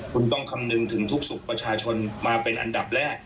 คุณต้องคำนึงถึงทุกสุขประชาชนมาเป็นอันดับแรก